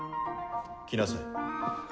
来なさい。